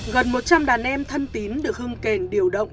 gần một trăm linh đàn em thân tín được hương kèn điều động